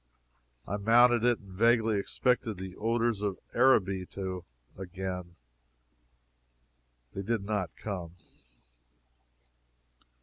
I mounted it, and vaguely expected the odors of Araby a gain. They did not come.